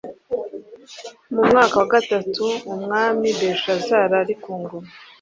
Mu mwaka wa gatatu Umwami Belushazari ari ku ngoma